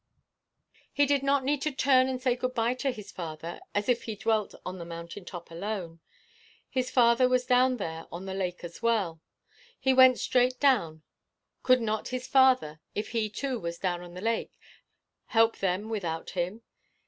He did not need to turn and say good bye to his Father, as if he dwelt on that mountain top alone: his Father was down there on the lake as well. He went straight down. Could not his Father, if he too was down on the lake, help them without him?